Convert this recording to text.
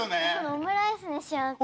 オムライスにしようかな。